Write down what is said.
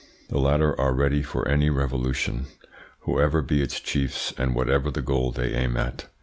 The latter are ready for any revolution, whoever be its chiefs and whatever the goal they aim at.